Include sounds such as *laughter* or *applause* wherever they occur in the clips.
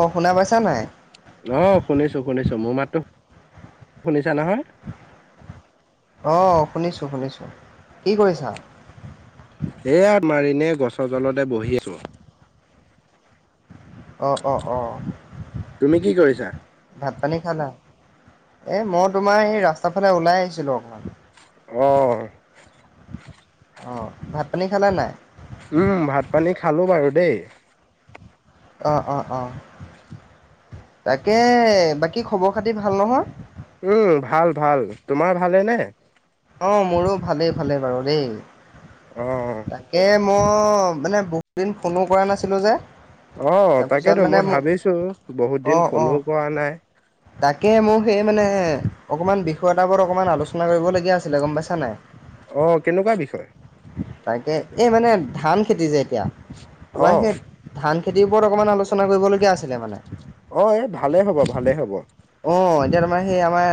অ শুনা পাইছা নাই? আহ শুনিছো শুনিছো মোৰ মাতো শুনিছা নহয়? অঁ শুনিছোঁ শুনিছোঁ কি কৰিছা? এয়া মই ইনেই গছৰ জলতে বহি আছো। অঁ অ অ তুমি কি কৰিছা? ভাত পানী খালা? এ মই তোমাৰ সেই ৰাস্তাৰ ফালে ওলাই আহিছিলো অকমান। আহ অ ভাত পানী খালে নাই? উম ভাত পানী খালো বাৰু দেই। অ অ অ তাকে বাকী খবৰ খাতি ভাল নহয়? উম ভাল ভাল তোমাৰ ভালে নে? অ মোৰো ভালেই ভালেই বাৰু দেই। অ' তাকে মই মানে বহুত দিন ফোনো কৰা নাছিলো যে অ তাৰপিছত তাকেতো মানে মই মোক ভাবিছো বহুত অ দিন অ ফোনো কৰা নাই। তাকে মোক সেই মানে অকমান বিষয় এটাৰ ওপৰত অকনমান আলোচনা কৰিবলগীয়া আছিলে গম পাইছ আহ কেনেকুৱা বিষয়? তাকে এই মানে ধান খেতি যে এতিয়া তোমাৰ অ' সেই ধান খেতি ওপৰত অকমান আলোচনা কৰিবলগীয়া আছিলে মানে। অ' এই ভালেই হ'ব ভালেই হ'ব। অ' এতিয়া তোমাৰ সেই আমাৰ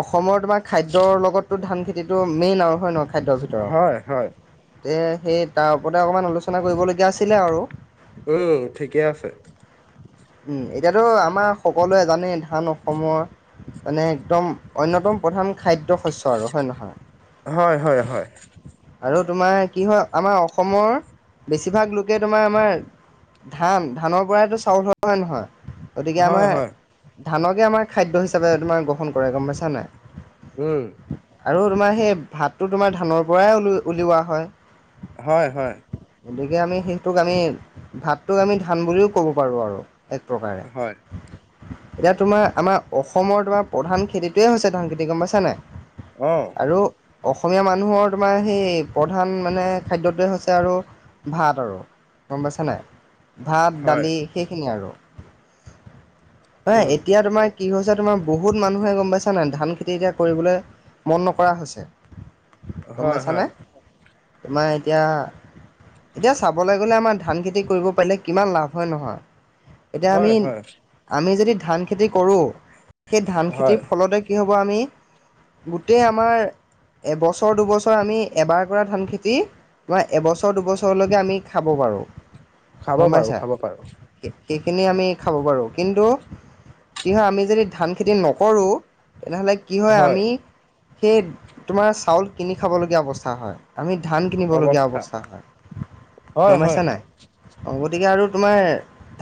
অসমৰ তোমাৰ খাদ্যৰ লগততো ধান। খেতিতটো মেইন আৰু হয়ে নহয় খাদ্যৰ ভিতৰত হয় হয়। তে সেই তাৰ ওপৰতে অকণমান আলোচনা কৰিবলগীয়া আছিলে আৰু উম ঠিকেই আছে। উম এতিয়াতো আমাৰ সকলোৱে জানেই। ধান অসমৰ মানে একদম অন্যতম প্ৰধান খাদ্য শস্য আৰু হয়ে নহয়? হয় হয় হয়। আৰু তোমাৰ কি হয় আমাৰ অসমৰ বেছিভাগ লোকে তোমাৰ আমাৰ ধান' ধানৰ পৰাইতো চাউল হয় নহয়? গতিকে হয় আমাৰ হয় ধানকে আমাৰ খাদ্য হিচাপে তোমাৰ গ্ৰহণ কৰে গম পাইছা নাই? উম। আৰু তোমাৰ সেই ভাতটো তোমাৰ ধানৰ পৰাইল উলিওৱা হয়। হয় হয়। গতিকে আমি সেইটোক আমি ভাতটোক। আমি ধান বুলিও ক'ব পাৰোঁ আৰু এক প্ৰকাৰে হয় এতিয়া তোমাৰ আমাৰ অসমৰ তোমাৰ প্ৰধান খেতিটোয়ে হৈছে ধান। খেতি গম পাইছানে। অ' আৰু অসমীয়া মানুহৰ তোমাৰ সেই প্ৰধান মানে খাদ্যটোৱে হৈছে আৰু ভাত আৰু গম পাইছা নাই? ভাত হয় দালি সেইখিনি আৰু এ উম এতিয়া তোমাৰ। কি হৈছে? তোমাৰ বহুত মানুহে গম পাইছা নাই ধান খেতি এতিয়া কৰিবলৈ মন নকৰা হৈছে। গম হয় হয়। পাইছানে তোমাৰ এতিয়া? এতিয়া চাবলৈ গলে আমাৰ ধান খেতি কৰিব পাৰিলে কিমান লাভ হয় নহয়। এতিয়া হয় আমি হয় আমি যদি ধান খেতি কৰোঁ। সেই ধান হয় খেতিৰ ফলতে কি হ'ব? আমি গোটেই আমাৰ। এবছৰ দুবছৰ আমি এবাৰ কৰা ধান খেতি। ন এবছৰ দুবছৰলৈকে আমি খাব পাৰোঁ। খাব গম পাৰোঁ‌ পাইছা খাব পাৰোঁ‌। সেইখিনি আমি খাব পাৰো কিন্তু কিহ আমি যদি ধান খেতি নকৰো। তেনেহ'লে কি হয় আমি সেই তোমাৰ চাউল কিনি খাবলগীয়া অৱস্থা হয়। আমি ধান কিনিবলগীয়া অৱস্থা হয় হয় গম হয় পাইছা নাই? অ' গতিকে আৰু তোমাৰ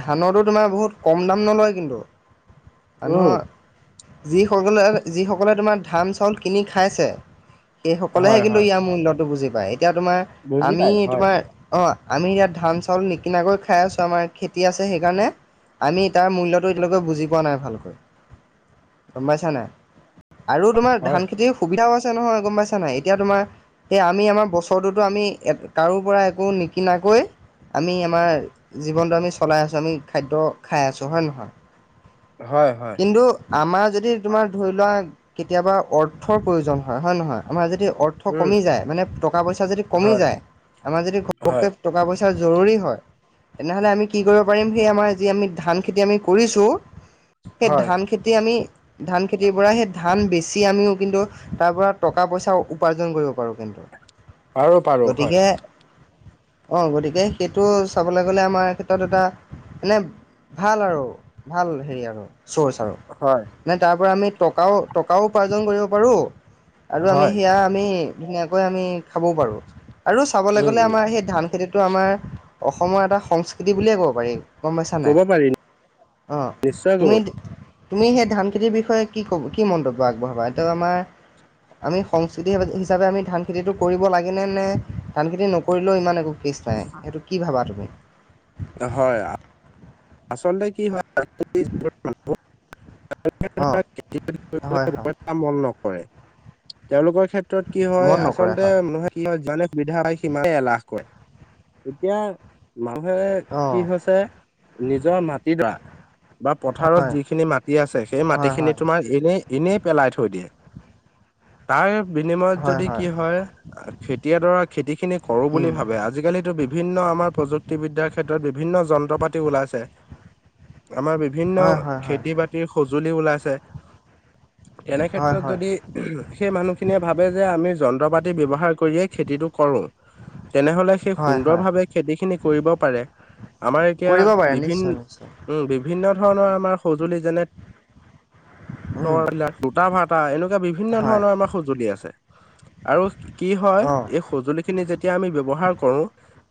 ধানৰটো তোমাৰ বহুত কম দাম নলয় কিন্তু উম মানুহৰ। যিসকলে যিসকলে তোমাৰ ধান চাউল কিনি খাইছে। সেই সকলেহে হয় কিন্তু হয় ইয়াৰ মূল্যয়টো বুজি পায়। এতিয়া তোমাৰ বুজি আমি পায় হয় তোমাৰ অ' আমি ইয়াত ধান চাউল নিকিনাকৈ খাই আছোঁ। আমাৰ খেতি আছে সেইকাৰণে আমি তাৰ মূল্যটো এতিয়ালৈকে বুজি পোৱা নাই। ভালকৈ গম পাইছা নে আৰু তোমাৰ হয় ধান খেতিৰ সুবিধাও আছে। নহয় গম পাইছা নাই? এতিয়া তোমাৰ সেই আমি আমাৰ বছৰটোতো আমি কাৰো পৰা একো নিকিনাক। কৈ আমি আমাৰ জীৱনটো আমি চলাই আছোঁ‌। আমি খাদ্য খাই আছোঁ হয় নহয়? হয় হয়। কিন্তু আমাৰ যদি তোমাৰ ধৰি লোৱা কেতিয়াবা অৰ্থৰ প্ৰয়োজন হয় হয় নহয় আমাৰ যদি। অৰ্থ উম কমি যায় মানে টকা পইচা যদি কমি হয় যায়। আমাৰ যদি হয় ঘপকে টকা পইচা জৰুৰী হয়। তেনেহ'লে আমি কি কৰিব পাৰিম সেই আমাৰ যি আমি ধান খেতি আমি কৰিছোঁ। সেই হয় ধান খেতি আমি। ধান খেতিৰ পৰা সেই ধান বেছি আমিও কিন্তু তাৰ পৰা টকা পইচা উপাৰ্জন কৰিব পাৰোঁ কিন্তু পাৰো পাৰো হয়। অ' গতিকে সেইটো চাবলৈ গ'লে আমাৰ ক্ষেত্ৰত এটা মানে ভাল আৰু ভাল হেৰি আৰু চ'ৰ্চ আৰু হয় মানে তাৰ পৰা আমি টকাও- টকাও উপাৰ্জন কৰিব পাৰোঁ আৰু আমি হয় সেয়া আমি ধুনীয়াকৈ আমি খাবও পাৰো। আৰু চাবলৈ উম গ'লে উম আমাৰ সেই ধান খেতিটো আমাৰ অসমৰ এটা সংস্কৃতি বুলিয়ে ক'ব পাৰি। গম পাইছা নাই ক'ব পাৰি অহ। নিশ্চয় ক'ব পাৰি তুমি সেই ধান খেতিৰ বিষয়ে কি কব কি মন্তব্য আগবঢ়াবা এটো আমাৰ আমি সংস্কৃতি হিচাপে আমি ধান খেতিটো কৰিব লাগেনে নে ধান খেতি নকৰিলেও ইমান একো কিচ নাই সেইটো কি ভাবা তুমি? হয় আচলতে কি হয় *unintelligible* অঁ হয় হয় *unintelligible* মন নকৰে তেওঁলোকৰ ক্ষেত্ৰত কি হয় মন নকৰে আচলতে হয় মানুহে কি হয় জানে *unintelligible* সুবিধা সিমানে এলাহ কৰে এতিয়া মানুহে অঁ কি হৈছে নিজৰ মাটিডৰা বা পথাৰত হয় যিখিনি মাটি আছে, সেই মাটি হয় খিনি হয় তোমাৰ এনেই এনেই পেলাই থৈ দিয়ে তাৰ বিনিময়ত যদি কি হ'য়, খেতি এডৰা খেতি খিনি কৰো উম বুলি ভাৱে আজি-কালিটো বিভি বিভিন্ন আমাৰ প্ৰযুক্তিবিদ্যাৰ ক্ষেত্ৰত বিভিন্ন যন্ত্ৰ পাতি ওলাইছে আমাৰ বিভিন্ন হয় হয় হয় খেতি-বাতিৰ সজুলি ওলাইছে। *inaudible* এনে হয় ক্ষেত্ৰত হয় যদি সেই মানুহ খিনিয়ে ভাৱে যে আমি যন্ত্ৰপাতি ব্যৱহাৰ কৰিয়েই খেতিটো কৰো উম তেনেহলে সেই হয় সুন্দৰ হয় ভাৱে খেতি খিনি কৰিব পাৰে। আমাৰ এতিয়া কৰিব পাৰে বিভিন নিশ্চয় নিশ্চয় উম, বিভিন্ন ধৰণৰ আমাৰ সজুলি *unintelligible* উম টৰলাৰ, লোটাভাটা, এনেকুৱা বিভিন্ন হয় ধৰণৰ আমাৰ সঁজুলি আছে। আৰু কি হ'য় অঁ এই সজুলি খিনি যেতিয়া আমি ব্যৱহাৰ কৰো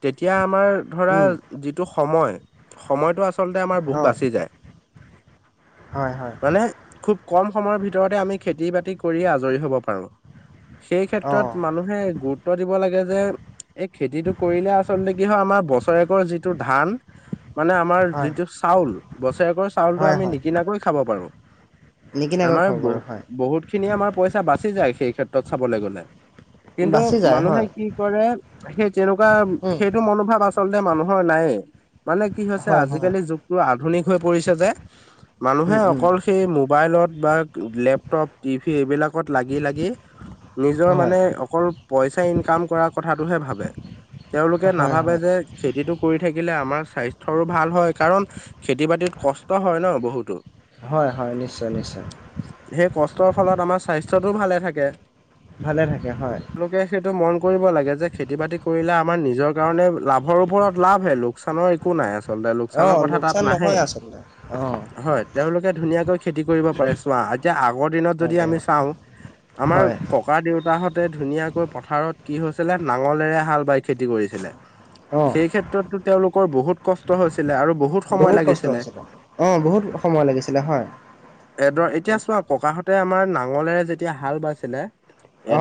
তেতিয়া আমা আমাৰ ধৰা উম যিটো সময় -সময়টো আচলতে আমাৰ বহুত অঁ বাচি যায়। হয় হয় মানে, খুব কম সময়ৰ ভিতৰতে আমি খেতি-বাতি কৰি আজৰি হ'ব পাৰো। সেই ক্ষেত্ৰত অঁ মানুহে গুৰুত্ব দিব লাগে যে এই খেতিটো কৰিলে আচলতে কি হ'য় আমাৰ বছৰেকৰ যিটো ধান, মানে আমাৰ হয় যিটো চাব চাউল, বছৰেকৰ চাউলটো হয় আমি হয় নিক খাব পাৰো নিকিনাকৈ আমাৰ খাব পাৰোঁ হয় বহু-বহুত খিনি আমাৰ পইচা বাচি যায় সেই ক্ষেত্ৰত চাবলে গলে। কিন্তু বাচি যায় মানুহে হয় কি কৰে, সেই তেনেকুৱা উম সেইটো মনোভাৱ আছে আচলতে মানুহৰ নায়েই মানে কি হৈছে, হয় হয় আজি-কালি যুগটো আধুনিক হৈ পৰিছে যে মানুহে উম উম অকল সেই মোবাইলত বা লেপটপ, টিভি, এইবিলাকত লাগি-লাগি নিজৰ হয় মানে, অকল পইচা ইনকাম কৰাৰ কথাটোহে ভাৱে। তেওঁলোকে হয় নাভাৱে হয় যে খেতিটো কৰি থাকিলে আমাৰ স্বাস্থ্যৰো ভাল হ'য় কাৰণ খেতি-বাতিত কষ্ট কষ্ট হয় ন' বহুতো, হয় হয় নিশ্চয় নিশ্চয় সেই কষ্টৰ ফলত আমাৰ স্বাস্থ্য স্বাস্থ্যটো ভালে থাকে, ভালে থাকে হয় তেওঁলোকে সেইটো মন কৰিব লাগে যে খেতি-বাতি কৰিলে আম আমাৰ নিজৰ কাৰণে লাভৰ ওপৰত লাভ হে লোক চানৰ একো নাই, আচলতে অ লোকচানৰ কথা তাত লোকচান নহয় নাহেই। আচলতে অ হয়, তেওঁলোকে ধুনীয়াকৈ খেতি কৰিব পাৰে চোৱা, এতিয়া আগৰ দিনত যদি ভালে আমি অ চাওঁ আমাৰ হয় ককা -দেউতাহঁতে ধুনীয়াকৈ পথাৰত কি হৈছিলে নাঙলেৰে হাল বাই খেতি কৰিছিলে অ সেই ক্ষেত্ৰতটো তেওঁলোকৰ বহুত কষ্ট হৈছিলে আৰু বহুত সময় কষ্ট লাগিছিলে হৈছিলে অ বহুত সময় লাগিছিলে হয় *inaudible* এডৰ এতিয়া চোৱা, ককাহঁতে আমাৰ নাঙলেৰে যেতিয়া হালবাইছিলে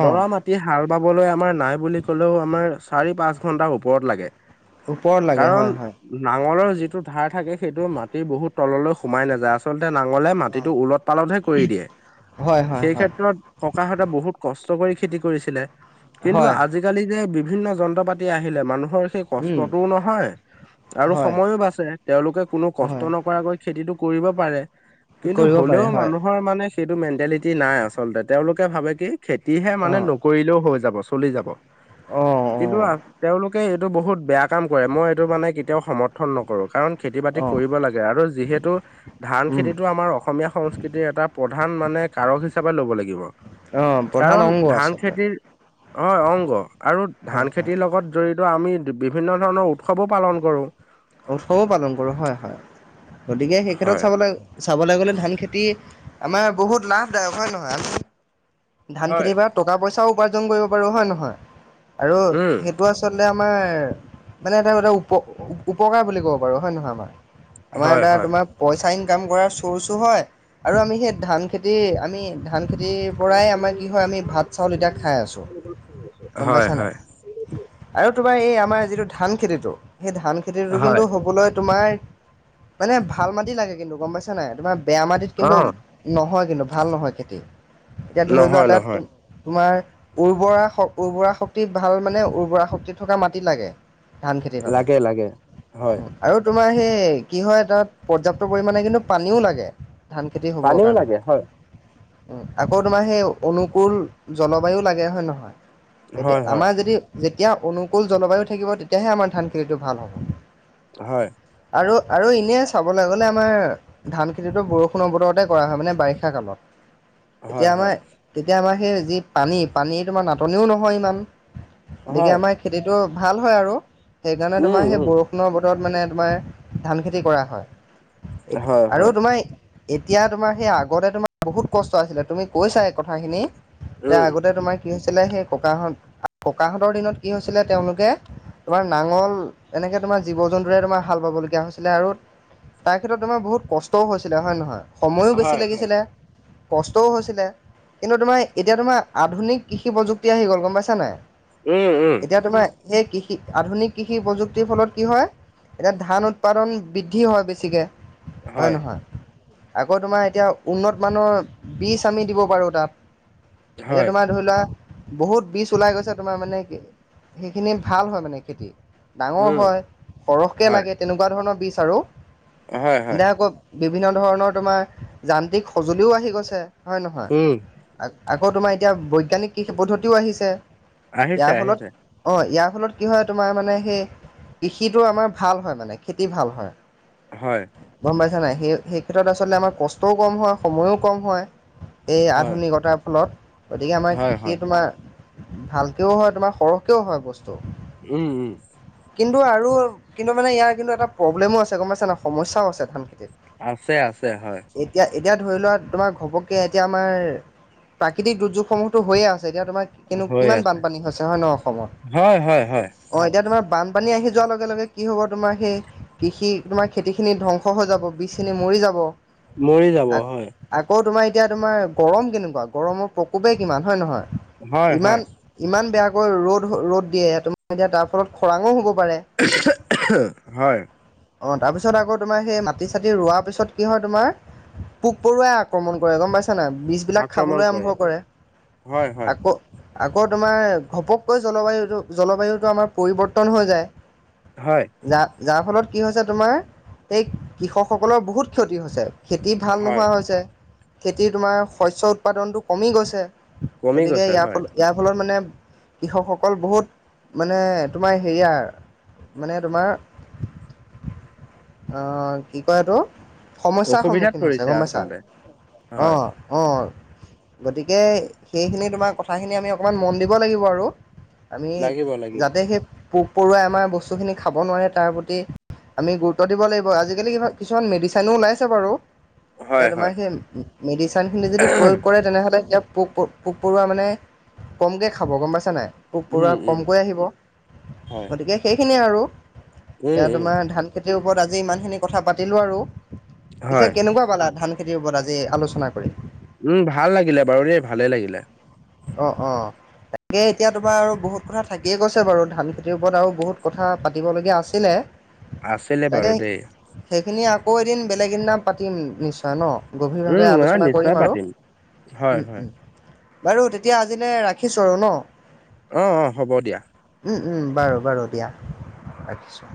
অ মাটিয়ে হাল বাবলৈ আমাৰ নাই বুলি ক'লেও আমাৰ চাৰি- পাঁচ ঘণ্টাৰ ওপৰত লাগে ওপৰত লাগে কাৰণ হয় হয় নাঙলৰ যিটো ধাৰ থাকে সেইটো মাটিৰ বহুত তললৈ সোমাই নাযায় আচলত তে নাঙলে অ মাটিটো ওলট -পালতহে কৰি দিয়ে। হয় হয় সেই হয় ক্ষেত্ৰত ককাহঁতে বহুত কষ্ট কষ্ট কৰি খেতি কৰিছিলে। কিন্তু হয় আজি-কালি যে বিভিন্ন যন্ত্ৰ-পাতি আহিলে। মানুহ হৰ সেই উম কষ্টটোও নহয় আৰু হয় সময়ো বাচে। তেওঁলোকে কোনো কষ্ট হয় নক্‌ খেতিটো কৰিব পাৰে, কিন্তু কৰিব হ'লেও পাৰে হয় মানুহৰ মানে সেইটো মেণ্টেলিটি নাই আচলতে। তেওঁলোকে ভাৱে কি? খেতিহে অ মানে, নকৰিলেও হৈ যাব, চলি যাব। অ অ কিন্তু আঁ, তেওঁলোক কেই এইটো বহুত বেয়া কাম কৰে। মই এইটো মানে, কেতিয়াও সমৰ্থন নকৰো, কাৰণ খেতি- বাতি অ কৰিব লাগ্‌ গে আৰু যিহেতু ধান উম খেতিটো আমাৰ অসমীয়া সংস্কৃতিৰ এটা প্ৰধান মানে, কাৰক হিচাপে ল'ব লাগিব, অ প্ৰধান কাৰণ অংগ ধান আচলতে খেতিৰ হ'য়, অংগ আৰু ধান হয় হয় খেতিৰ লগত জড়িত্‌ ত আমি বিভিন্ন ধৰণৰ উৎসৱো পালন কৰো। উৎসৱো পালন কৰো। হ'য়, হ'য় গতিকে সেই ক্ষেত্ৰত হয় চাবলে চাবলে গ'লে, ধান খেতি আমাৰ বহুত লাভদায়ক হ'য়, নহয়? আমি ধান হয় খেতিৰ পৰা টকা পইচাও উপাৰ্জন কৰিব পাৰো হয় নহয় আৰু উম সেইটো আচলতে আমাৰ মানে এটা এটা উপ উপকাৰ বুলি কব পাৰো হয় নে নহয় আমাৰ আমাৰ হয় এটা হয় তোমাৰ পইচা আ কাম কৰ চৰ্চো হয় আৰু আমি সেই ধান খেতি আমি ধান খেতি পৰাই আমাৰ কি হয় আমি ভাত চাউল এতিয়া খাই আছোঁ গম হয় পাইছা নাই হয় আৰু তোমাৰ এই আমাৰ যিটো ধান খেতিটো সেই ধান খেতিটো কিন্তু হয় হ'বলৈ তোমাৰ মানে ভাল মাটি লাগে কিন্তু গম পাইছা নাই তোমাৰ বেয়া মাটিত অ কিন্তু নহয়। কিন্তু ভাল নহয় খেতি এতিয়া ধৰি লও নহয় এটা নহয় তোমাৰ উৰ্বৰা উৰ্বৰা শক্তিত ভাল মানে উৰ্বৰা শক্তি থকা মাটি লাগে। ধান খেতিৰ বাবে লাগে লাগে হয় আৰু তোমাৰ সেই কি হয় তাত পৰ্যাপ্ত পৰিমাণে কিন্তু পানীও লাগে। ধান খেতি হ'বৰ পানীও লাগে হয় কাৰণে আকৌ তোমাৰ সেই অনুকূল জলবায়ু লাগে হয় নহয়? এতিয়া হয় হয় আমাৰ যদি যেতিয়া অনুকুল জলবায়ু থাকিব তেতিয়াহে আমাৰ ধান খেতিটো ভাল হ'ব। হয়। আৰু আৰু এনেই চাবলৈ গ'লে আমাৰ ধান খেতিটো বৰষুণৰ বতৰতে কৰা হয় মানে বাৰিষা কালত। এতিয়া হয় আমাৰ হয় তেতিয়া আমাৰ সেই যি পানী পানী তো আমাৰ নাটনিও নহয় ইমান গতিকে হয় আমাৰ খেতিতটো ভাল হয় আৰু সেইকাৰণে উম তোমাৰ সেই উম বৰষুণৰ ব মানে তোমাৰ ধান খেতি কৰা হয় হয় আৰু হয়। তোমাৰ এতিয়া তোমাৰ সেই আগতে তোমাৰ বহুত কষ্ট আছিলে তুমি কৈছা কথাখিনি যে উম। আগতে তোমাৰ কি হৈছিলে সেই ককাহত ককাহঁতৰ দিনত কি হৈছিলে তেওঁলোকে তোমাৰ নাঙল এনেকে তোমাৰ জীৱ জন্তুৰে তোমাৰ হাল ব 'বলগীয়া হৈছিলে আৰু তাৰ ক্ষেত্ৰত তোমাৰ বহুত কষ্টও হৈছিলে হয় নহয়? সময়ো বেছি হয় হয় লাগিছিলে কষ্টও হৈছিলে কিন্তু তোমাৰ এতিয়া তোমাৰ আধুনিক কৃষি প্ৰযুক্তি আহি গ'ল গম পাইছা নাই উম উম এতিয়া তোমাৰ সেই কৃষি আধুনিক কৃষি প্ৰযুক্তিৰ ফলত কি হয় এতিয়া ধান উৎপাদন বৃদ্ধি হয় বেছিকৈ হয় নহয় আকৌ তোমাৰ এতিয়া উন্নত মানৰ বিজ আমি দিব পাৰো তাত এতিয়া হয় তোমাৰ ধৰি লোৱা বহুত বীজ ওলাই গৈছে তোমাৰ মানে কি সেইখিনি ভাল হয় মানে খেতি ডাঙৰ উম হয় সৰহকে হয় লাগে তেনেকুৱা ধৰণৰ বীজ আৰু হয় হয়। এতিয়া আকৌ বিভিন্ন ধৰণৰ তোমাৰ যান্ত্ৰিক সঁজুলিও আহি গৈছে হয় নহয় উম আকৌ তোমাৰ এতিয়া বৈজ্ঞানিক কৃষি পদ্ধতিও আহিছে। আহিছে ইয়াৰ ফলত আহিছে অঁ ইয়াৰ তাৰ ফলত কি হয় তোমাৰ মানে সেই কৃষিটো আমাৰ ভাল হয় মানে খেতি ভাল হয়। হয়। গম নাই পাইছা সেই সেই ক্ষেত্ৰত আচলতে আমাৰ কষ্টও কম হয় সময়ো কম হয়। এই হয় আধুনিকতাৰ ফলত গতিকে আমাৰ হয় কৃষিয়ে হয় তোমাৰ ভালকেও হয় তোমাৰ সৰহকেও হয় বস্তু উম উম। কিন্তু আৰু কিন্তু মানে ইয়াৰ কিন্তু এটা প্ৰব্লেমো আছে গম পাইছে না সমস্যাও আছে ধানখিনি আছে আছে হয়। এতিয়া ধৰি লোৱা তোমাৰ ঘপকে এতিয়া আমাৰ প্ৰাকৃতিক দুৰ্যোগসমূহতো হৈয়ে আছে। এতিয়া তোমাৰ হৈ কিমান আছে বানপানী হৈছে হয় ন অসমত হয় হয় হয় অ এতিয়া তোমাৰ বান পানী আহি যোৱাৰ লগে লগে কি হ'ব তোমাৰ সেই কৃষি তোমাৰ খেতিখিনি ধ্বংস হৈ যাব বীজখিনি মৰি যাব। মৰি যাব হয়। আকৌ তোমাৰ এতিয়া তোমাৰ গৰম কেনেকুৱা গৰমৰ প্ৰকোপে কিমান হয় নহয় হয় ইমান হয় ইমান বেয়া ৰ'দ ৰ'দ দিয়ে তমি এতিয়া তাৰ ফলত খৰাংও হ'ব। পাৰে হয়। অ তাৰ পিছত আকৌ তোমাৰ সেই মাটি চাটি ৰোৱাৰ পিছত কি হয় তোমাৰ পোক পৰুৱাই আক্ৰমণ কৰে গম পাইছা নাই বীজবিলাক খাবলৈ আৰম্ভ কৰে হয় হয় আকৌ আকৌ তোমাৰ ঘপককৈ জলবায়ুটো-জলবায়ুটো আমাৰ পৰিৱৰ্তন হৈ যায়। হয় যাৰ যাৰ ফলত কি খেতি ভাল হয় নোহোৱা হৈছে, খেতি তোমাৰ শস্য উৎপাদনটো কমি গৈছে। কমি গতিকে গৈছে ইয়াৰ হয় ফলত, ইয়াৰ ফলত মানে কৃষকসকল বহুত মানে তোমাৰ হেৰি আও মানে তোমাৰ আহ কি কয় এইটো, সমস্যাৰ অসুবিধাত সন্মুখীন হৈছে পৰিছে গম পাইছা। আচলতে হয় অ-অ! অঁ! গতিকে সেইখিনি তোমাৰ কথাখিনি আমি অকণমান মন দিব লাগিব আৰু। আমি লাগিব লাগিব যাতে সেই পোক-পৰুৱাই আমাৰ বস্তুখিনি খাব নোৱাৰে তাৰ প্ৰতি আমি গুৰুত্ব দিব লাগিব, আজিকালি কিছুমান মেডিচিনো ওলাইছে বাৰু। এতিয়া হয় তোমাৰ হয় সেই মেডিচিনখিনি যদি প্ৰয়োগ কৰে তেনেহলে পোক-প পোক-পৰুৱা মানে কমকে খাব গম পাইছা নাই পোক-পৰুৱা উম উম কমকৈ আহিব হয় গতিকে সেইখিনিয়ে আৰু উম এতিয়া উম তোমাৰ ধান খেতিৰ ওপৰত আজি ইমানখিনি কথা পাতিলো আৰু পিছে হয় কেনেকুৱা পালা ধান খেতিৰ ওপৰত আজি আলোচনা কৰি? উম ভাল লাগিলে বাৰু দেই ভালেই লাগিলে। অঁ-অঁ তাকে এতিয়া তোমাৰ আৰু বহুত কথা থাকিয়ে গৈছে বাৰু ধান খেতিৰ ওপৰত আৰু বহুত কথা পাতিবলগীয়া আছিলে আছিলে তাকে বাৰু দেই সেইখিনি আকৌ এদিন বেলেগ দিনা পাতিম নিশ্চয় ন? গভীৰভাৱে উম মই আলোচনা কৰিম নিশ্চয় আৰু। পাতিম হয় হয় উম-উম বাৰু তেতিয়া আজিলে ৰাখিছো আৰু ন? অ-অ হ'ব দিয়া উম-উম বাৰু-বাৰু দিয়া ৰাখিছোঁ।